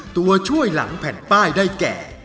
ตัวช่วยหลังแผ่นป้ายได้แก่